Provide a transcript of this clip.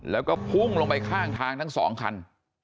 แล้วก็พุ่งลงไปข้างทางทั้งสองคัน